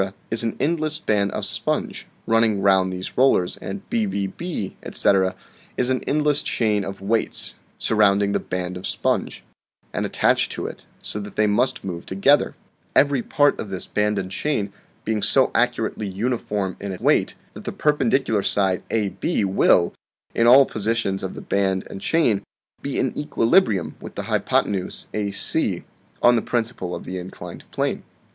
is an endless band of sponge, running round these rollers; and bbb, etc., is an endless chain of weights, surrounding the band of sponge, and attached to it, so that they must move together; every part of this band and chain being so accurately uniform in weight that the perpendicular side AB will, in all positions of the band and chain, be in equilibrium with the hypothenuse AC, on the principle of the inclined plane.